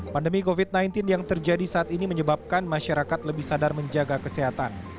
pandemi covid sembilan belas yang terjadi saat ini menyebabkan masyarakat lebih sadar menjaga kesehatan